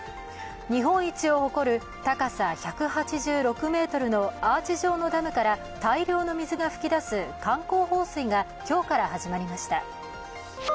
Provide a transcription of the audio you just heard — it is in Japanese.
日本一を誇る高さ１８６ｍのアーチ状のダムから大量の水が噴き出す観光放水が今日から始まりました。